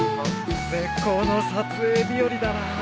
絶好の撮影日和だな。